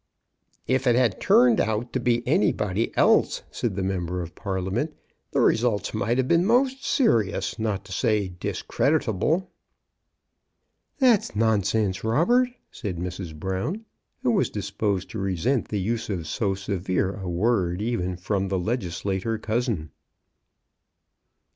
" If it had turned out to be anybody else," said the member of Parliament, "the results might have been most serious — not to say dis creditable." "That's nonsense, Robert," said Mrs. Brown, who was disposed to resent the use of so severe a word, even from the legislator cousin.